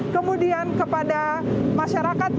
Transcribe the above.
kemudian kepada masyarakat